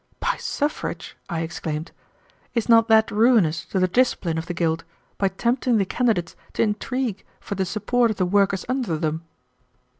"By suffrage!" I exclaimed. "Is not that ruinous to the discipline of the guild, by tempting the candidates to intrigue for the support of the workers under them?"